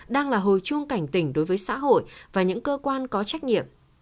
đang là hồi chuông cảnh tỉnh đối với xã hội và những cơ quan có trách nhiệm